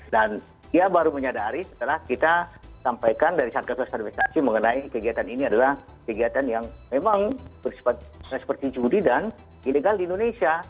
dan dia baru menyadari setelah kita sampaikan dari satgas perspektif pertama mengenai kegiatan ini adalah kegiatan yang memang tidak seperti judi dan ilegal di indonesia